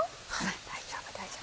大丈夫大丈夫。